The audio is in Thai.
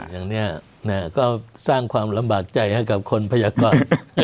อย่างนี้ก็สร้างความลำบากใจให้กับคนพยากร